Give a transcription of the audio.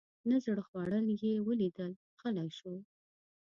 نه زړه خوړل یې ولیدل غلی شو.